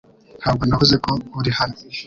Ntabwo navuze ko uri hano .